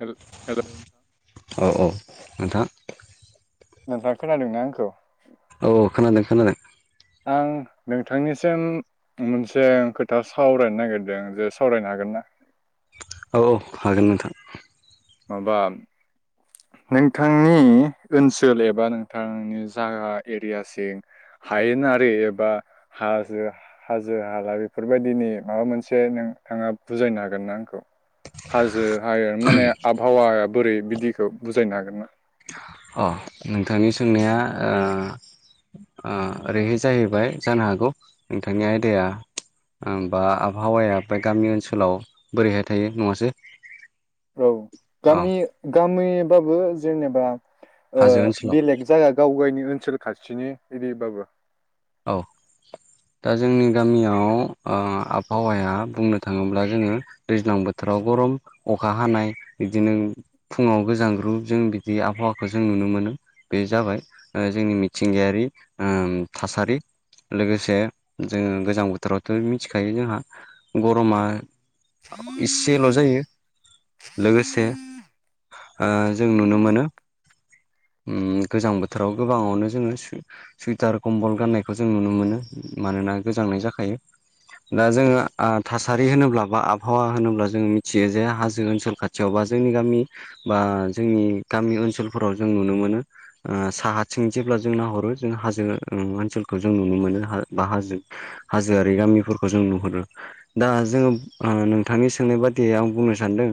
Hello hello औ औ नोंथां नोंथाङा खोनादों ना आंखौ औ खोनादों खोनादों आं नोंथांनिसिम मोनसे खोथा सावरायनो नागिरदों जे सावरायनो हागोन ना औ औ हागोन नोंथां। माबा नोंथांनि ओनसोल एबा नोंथांनि जागा एरियासिं हायेनारि एबा हाजो हाजो हाला बेफोरबायदिनि माबा मोनसे नोंथाङा बुजायनो हागोन ना आंखौ हाजो हायेन माने आबहावाया बोरै बिदिखौ बुजायनो हागोन ना अ नोंथांनि सोंनाया ओ ओ ओरैहाय जाहैबाय जानो हागौ नोंथांनि आयदाया ओ बा आबहावाया बे गामि ओनसोलाव बोरैहाय थायो नङासै औ अ गामि गामिबाबो जेनेबा ओ हाजो ओनसोलाव बेलेग जायगा गावगायनि ओनसोल खाथिनि एरिबाबो औ दा जोंनि गामियाव ओ आबहावाया बुंनो थाङोब्ला जोङो दैज्लां बोथोराव गरम अखा हानाय बिदिनो फुङाव गोजांग्रु जों बिदि आबहावाखौ जों नुनो मोनो बे जाबाय ओ जोंनि मिथिंगायारि ओम थासारि, लोगोसे जोङो गोजां बोथोरावथ' मिथिखायो जोंहा गरमा इसेल' जायो, लोगोसे ओ जों नुनो मोनो ओम गोजां बोथोराव गोबाङावनो जोङो सु-सुइटार कम्बल गाननायखौ जों नुनो मोनो। मानोना गोजांनाय जाखायो दा जोङो आ थासारि होनोब्ला बा आबहावा होनोब्ला जोङो मिथियो जे हाजो जों ओनसोल खाथियाव बा जोंनि गामि बा जोंनि गामि ओनसोलफोराव जों नुनो मोनो। ओ साहाथिं जेब्ला जों नाहरो जों हाजो ओ ओनसोलखौ जों नुनो मोनो बा हाजो हाजोआरि गामिफोरखौ जों नुहुरो। दा जोङो ओ नोंथांनि सोंनाय बादियै आं बुंनो सानदों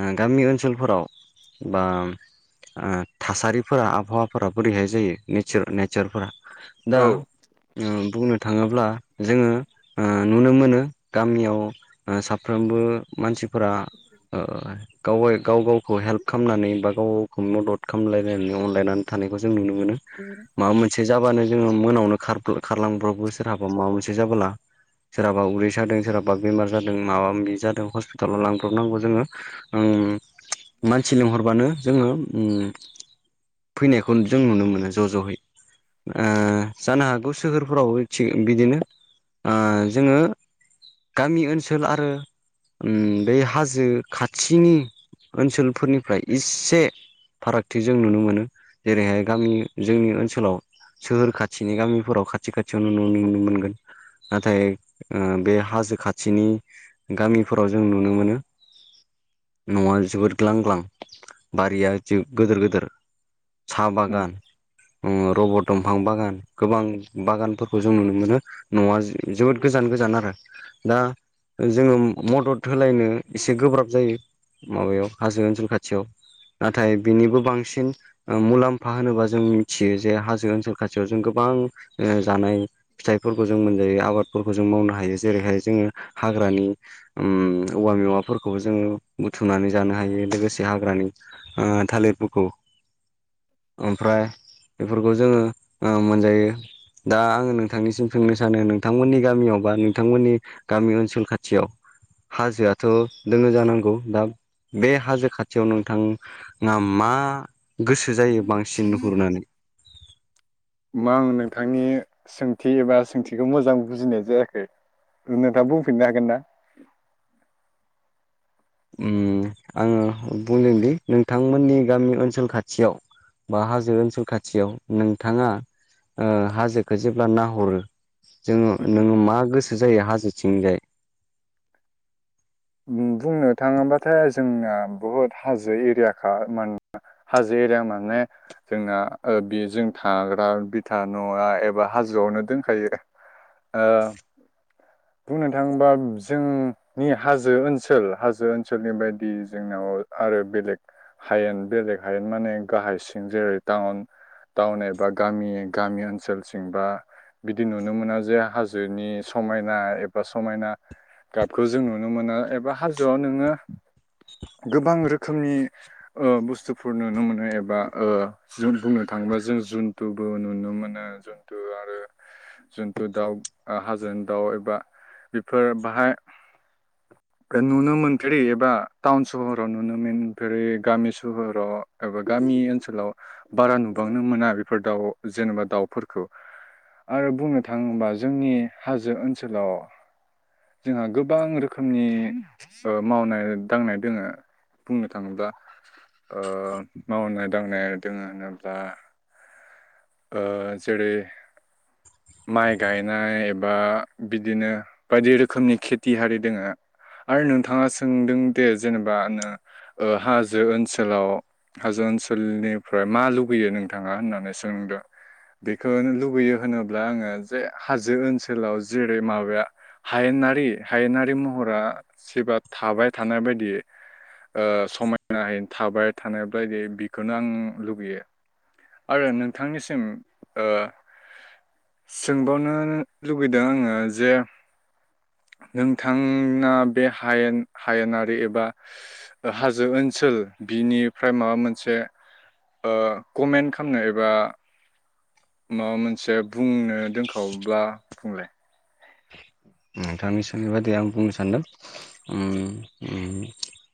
ओ गामि ओनसोलफोराव बा ओ थासारिफोरा आबहावाफोरा बोरैहाय जायो नेचार नेचारफोरा दा औ ओ बुंनो थाङोब्ला जोङो ओ नुनो मोनो गामियाव ओ साफ्रोमबो मानसिफोरा ओ गावै गाव गावखौ हेल्प खालामनानै बा गाव गावखौ मदद खालामलायनानै अनलायनानै थानायखौ जों नुनो मोनो। [inaudible] माबा मोनसे जाबानो जोङो मोनायावनो खार खारलांब्रबो सोरहाबा माबा मोनसे जाबोला। सोरहाबा उदै जादों, सोरहाबा बेमार जादों, माबा माबि जादों हस्पिटालाव लांब्रबनांगौ जोङो ओम मानसि लिंहरबानो जोङो ओम फैनायखौ जों नुनो मोनो ज' ज'है। ओ जानो हागौ सोहोरफोराव थिग बिदिनो ओ जोङो गामि ओनसोल आरो ओ बे हाजो खाथिनि ओनसोलफोरनिफ्राय इसे फारागथि जों नुनो मोनो। जेरैहाय गामि जोंनि ओनसोलाव सोहोर खाथिनि गामिफोराव खाथि खाथियावनो नुनो नुनो मोनगोन। नाथाय ओ बे हाजो खाथिनि गामिफोराव जों नुनो मोनो न'आ जोबोद ग्लां ग्लां बारिया जो गोदोर गोदोर। साहा बागान, रबर दंफां बागान गोबां बागानफोरखौ जों नुनो मोनो न'आ जि जोबोद गोजान गोजान आरो। दा जोङो मदद होलायनो एसे गोब्राब जायो। माबायाव हाजो ओनसोल खाथियाव। नाथाय बिनिबो बांसिन ओ मुलाम्फा होनोबा जों मिथियो जे हाजो ओनसोल खाथियाव जों गोबां ओ जानाय फिथाइफोरखौ जों मोनजायो आबादफोरखौ जों मावनो हायो जेरैहाय जोङो हाग्रानि उम औवा मेवाफोरखौबो जोङो बुथुमनानै जानो हायो लोगोसे हाग्रानि ओ थालिरफोरखौ, ओमफ्राय बेफोरखौ जोङो ओ मोनजायो दा आङो नोंथांनिसिम सोंनो सानो नोंथांमोननि गामियाव बा नोंथांमोननि गामि ओनसोल खाथियाव। हाजोआथ' दङो जानांगौ, दा बे हाजो खाथियाव नोंथां ना मा गोसो जायो बांसिन नुहुरनानै? मा ओं नोंथांनि सोंथि एबा सोंथिखौ मोजां बुजिनाय जायाखै। उम नोंथाङा बुंफिननो हागोन ना? उम आङो बुंदोंदि नोंथांमोननि गामि ओनसोल खाथियाव बा हाजो ओनसोल खाथियाव नोंथाङा ओ हाजो खौ जेब्ला नाहरो जोङो नोङो मा गोसो जायो हाजोथिंजाय? उम बुंनो थाङोबाथाय जोंना बुहुत हाजो एरियाखा मानोना हाजो एरिया माने जोंना ओ बि जों थाग्रा बिथा न'आ एबा हाजोआवनो दोनखायोरा। ओ बुंनो थाङोबा जों हाजो ओनसोल हाजो ओनसोलनि बायदि जोंनाव ओ आरो बेलेग हायेन बेलेग हायेन माने गाहाय सिं जेरै टाउन टाउन एबा गामि गामि ओनसोलसिं बा बिदि नुनो मोना जे हाजोनि समायना एबा समायना गाबखौ जों नु नो मोनो एबा हाजोआव नोङो गोबां रोखोमनि ओ बुस्थुफोर नुनो मोनो एबा ओ जों बुंनो थाङोबा जों जुन्थुबो नुनो मोनो जुन्थु आरो जुनथु दाउ ओ हाजोनि दाउ एबा बेफोर बाहाय नुनो मोनफेरै एबा टाउन सहराव नुनो मोनफेरि गामि सोहराव एबा गामि ओनसोलाव बारा नुबांनो मोना बेफोर दाउ जेनबा दाउफोरखौ आरो बुंनो थाङोबा जोंनि हाजो ओनसोलाव जोंहा गोबां रोख रोखोमनि ओ मावनाय दांनाय दोङो बुंनो थाङोब्ला ओ मावनाय दांनाय आरो दोङो होनोब्ला ओ जेरै माइ गायनाय एबा बिदिनो बायदि रोखोमनि खेथि हारि दोङो आरो नोंथाङा सोंदोंदे जेनेबा नो ओ हाजो ओनसोलाव हाजो ओनसोलनिफ्राय मा लुबैयो नोंथाङा होननानै सोंदों बेखोनो लुबैयो होनोब्ला आङो जे हाजो ओनसोलाव जेरै माबाया हायेनारि हायेनारि महरा स्रिबा थाबाय थानाय बायदि ओ समायनाहैनो थाबाय थानाय बायदि बिखौनो आं लुगैयो आरो नोंथांनिसिम ओ सोंबावनो लुबैदों आङो जे नोंथांना बे हायेन हायेनारि एबा ओ हाजो ओनसोल बिनिफ्राय माबा मोनसे ओ कमेन्ट खालामनो एबा माबा मोनसे बुंनो दोनखावब्ला बुंलाय नोंथांनिसिम बेबादि आं बुंनो सानदों उम उम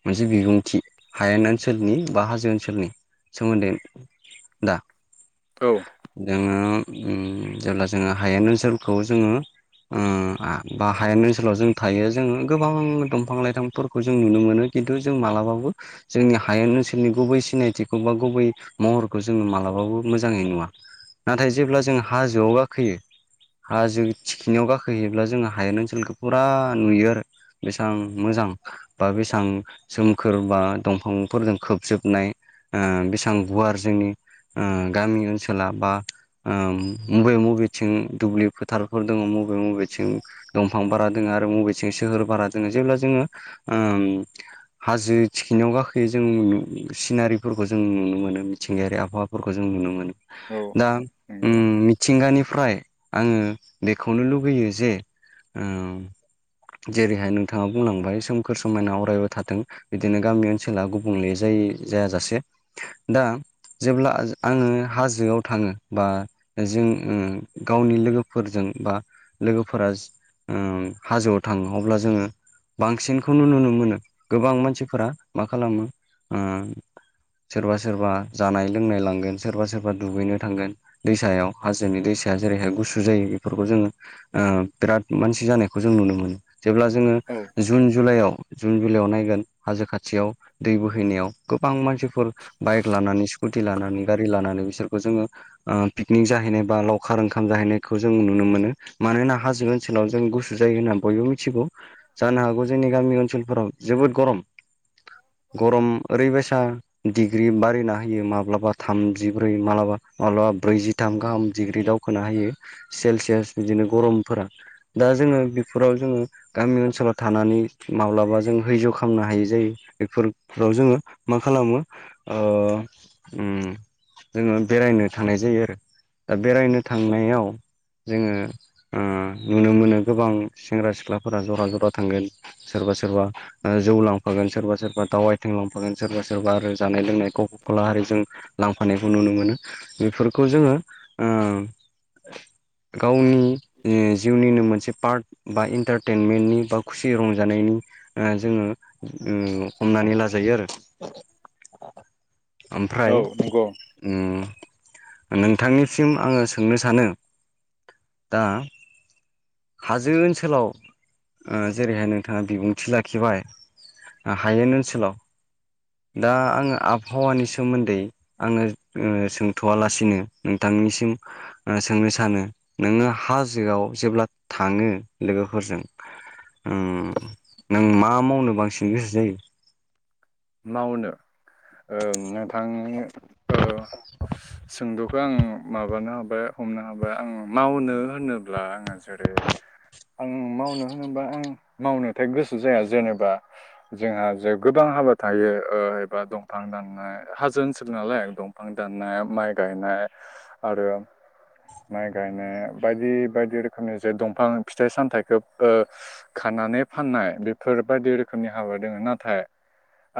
मोनसे बिबुंथि हायेन ओनसोलनि बा हाजो ओनसोलनि सोमोन्दै दा औ जोङो उम जेब्ला जोङो हायेन ओनसोलखौ जोङो ओ आ बा हायेन ओनसोलाव जों थायो जोङो गोबां दंफां लाइफांफोरखौ जों नुनो मोनो खिन्थु जों मालाबाबो जोंनि हायेन ओनसोलनि गुबै सिनायथिखौ बा गुबै महरखौ जोङो मालाबाबो मोजाङै नुवा नाथाय जेब्ला जों हाजोआव गाखोयो हाजो थिखिनियाव गाखोहैयोब्ला जोंडो हायेन ओनसोलखौ फुरा नुयो आरो बेसेबां मोजां बा बेसेबां सोमखोर बा दंफांफोरजों खोबजोबनाय ओ बेसेबां गुवार जोंनि ओ गामि ओनसोला बा ओम मबे मबेथिं दुब्लि फोथारफोर दङ मबे मबेथिं दंफां बारा दोङो आरो मबेथिं सोहोर बारा दोङ जेब्ला जोङो ओम हाजो थिखिनायाव गाखोयो जों सिनारिफोरखौ जों नुनो मोनो मिथिंगायारि आबहावा फोरखौ जों नुनो मोनो औ दा उम नंगौ मिथिंगानिफ्राय आङो बेखौनो लुगैयो जे ओम जेरैहाय नोंथाङा बुंलांबाय सोमखोर समायना अराय थाथों बिदिनो गामि ओनसोला गुबुंले जाय जायाजासे दा जेब्ला आङो हाजोआव थाङो बा जों ओ गावनि लोगोफोरजों बा लोगोफोरा ओ हाजोआव थाङो अब्ला जोङो बांसिनखौनो नुनो मोनो गोबां मानसिफोरा मा खालामो ओ सोरबा सोरबा जानाय लोंनाय लांगोन सोरबा सोरबा दुगैनो थांगोन दैसायाव हाजोनि दैसाया जेरैहाय गुसु जायो बेफोरखौ जोङो बिराद मानसि जानायखौ जों नुनो मोनो जेब्ला जोङो औ जुन जुलाइआव जुन जुलाइआव नायगोन हाजो खाथियाव दै बोहैनायाव गोबां मानसिफोर बाइक लानानै स्कुटि लानानै गारि लानानै बिसोरखौ जोङो ओ पिकनिक जाहैनाय बा लावखार ओंखाम जाहैनायखौ जों नुनो मोनो मानोना हाजो ओन सोलाव जों गुसु जायो होनना बयबो मिथिगौ जानो हागौ जोंनि गामि ओनसोलफोराव जोबोद गरम गरम ओरैबायसा डिग्रि बारिना होयो माब्लाबा थामजिब्रै माब्लाबा मालाबा ब्रैजिथाम गाहाम डिग्रि दावखोना होयो। सेलसियास बिदिनो गरमफोरा दा जोङो बेफोराव जोङो गामि ओनसोलाव थानानै माब्लाबा जों दैज्य खालामनो हायि जायो बेफोरफोराव जोङो मा खालामो जोङो बेरायनो थांनाय जायो आरो दा बेरायनो थांनायाव जोङो नुनो मोनो गोबां सेंग्रा-सिख्लाफोरा जरा जरा थांगोन सोरबा सोरबा जौ लांफागोन सोरबा सोरबा दाव आइथिं लांफागोन सोरबा सोरबा आरो जानाय लोंनायखौ कलाहारिजों लांफानायखौ नुनो मोनो बेफोरखौ जोङो गावनि ओ जिउनिनो मोनसे पार्ट बा इन्टारटेनमेन्टनि बा खुसि रंजानायनि जोङो हमनानै लाजायो आरो ओमफ्राय औ नंगौ नोंथांनिसिम आङो सोंनो सानो दा हाजो ओनसोलाव जेरैहाय नोंथाङा बिबुंथि लाखिबाय हायेन ओनसोलाव दा आङो आबहावानि सोमोन्दै आङो सोंथ'वालासिनो नोंथांनिसिम सोंनो सानो नोङो हाजोआव जेब्ला थाङो लोगोफोरजों नों मा मावनो बांसिन गोसो जायो? मावनो नोंथांनि सोंदुखौ आं माबानो हाबाय हमनो हाबाय आं मावनो होनोब्ला आङो जेरै आं मावनो होनोबा आं मावनोथाय गोसो जाया जेनेबा जोंहा जे गोबां हाबा थायो एबा दंफां दाननाय हाजो ओनसोल नालाय दंफां दाननाय माइ गायनाय आरो माइ गायनाय बायदि बायदि रोखोमनि जे दंफां फिथाइ सामथाइखौ खानानै फाननाय बेफोर बायदि रोखोमनि हाबा दङ नाथाय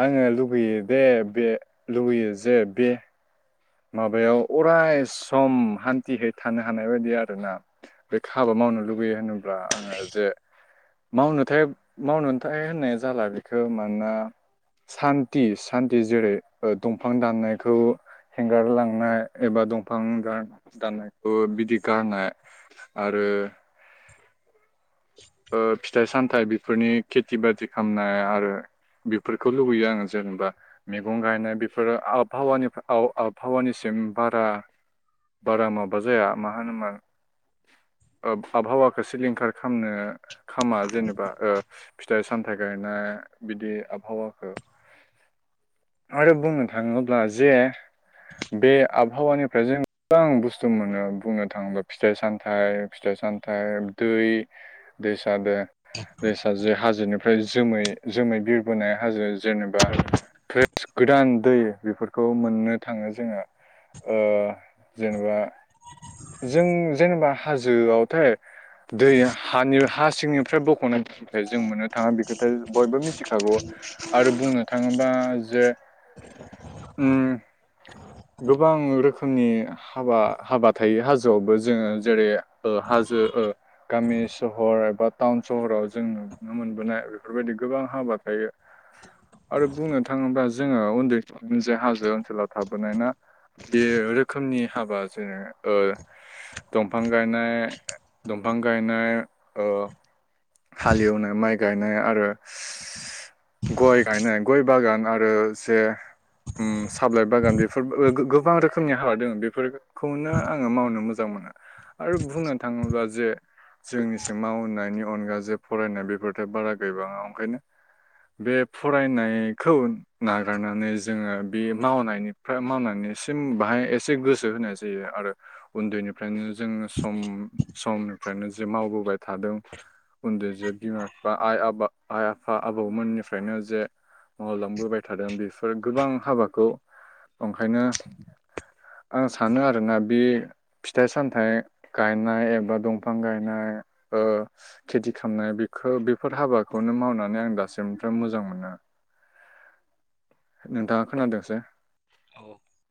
आङो लुुबैयो दे बे लुुबैयो जे बे माबायाव अराय सम हान्थिहै थानो हानाय बायदि आरोना बे हाबा मावनो लुगैयो होनोब्ला आङो जे मावनोथाय मावनोथाय होननाय जाला बेखौ मानोना सान्थि सान्थि जेरै दंफां दाननायखौ हेंगार लांनाय एबा दंफां गाननाय दाननायखौ बिदि गारनाय आरो [inaudible] फिथाइ सामथाइ बेफोरनि खेथि बाथि खालामनाय आरो बेफोरखौ लुबैयो आङो जेनेबा मैगं गायनाय बेफोरो आबहावानिफ्राय आबहावानिसिम बारा बारा माबा जाया मा होनोमा आबहावाखौ सिलिंखार खालामनो खामा जेनेबा फिथाइ सामथाइ गायनाय बिदि आबहावाखौ आरो बुंनो थाङोब्ला जे बे आबहावानिफ्राय जों गोबां बुस्थु मोनो बुंनो थाङोब्ला फिथाइ सामथाइ फिथाइ सामथाइ दै दैसादो दैसाजो हाजो फ्राय जोमै जोमै बिरबोनाय हाजो जेनेबा गोदान दै बेफोरखौ मोननो थाङो जोङो जेनेबा जों जेनेबा हाजोआवथाय दैया हानि हा सिंनिफ्राय बख'नानै जों मोननो थाङा बे खोथा बयबो मिथिखागौ आरो बुंनो थाङोबा जे उम गोबां रोखोमनि हाबा हाबा थायो हाजोआवबो जोङो जेरै ओ हाजो ओ गामि सहर एबा टाउन सहराव जों नुनो मोनबोनाय बेफोरबायदि गोबां हाबा थायो आरो बुंनो थाङोब्ला जोङो उन्दै जे हाजो ओनसोलाव थाब बोनाय ना बे रोखोमनि हाबा जेरै दंफां गायनाय दंफां गायनाय ओ हालेवनो माइ गायनाय आरो गय गायनाय गय बागान आरो जे साबलाइ बागान बेफोर गोबां रोखोमनि हाबा दङ बेफोर खौनो आङो मावनो मोजां मोना आरो बुंनो थाङोब्ला जे जोंनिसो मावनायनि अनगा जे फरायनाय बेफोरथाय बारा गैबाङा ओंखायनो बे फरायनायखौ नागारनानै जोङो बे मावनायनि फ्राय मावनायनिसिम बाहाय एसे गोसो होनाय जायो आरो उन्दैनिफ्रायनो जोङो सम समनिफ्रायनो जे मावबोबाय थादों उन्दै जे बिमा बिफा आइ आ आइ आफा आबौमोननिफ्रायनो जे मावलांबोबाय थादों बिसोर गोबां हाबाखौ ओंखायनो आं सानो आरोना बे फिथाइ सामथाइ गायनाय एबा दंफां गायनाय ओ खेथि खामनाय बेखौ बेफोर हाबाखौनो मावनानै आं दासिमफ्राय मोजां मोनो नोंथाङा खोनादोंसो औ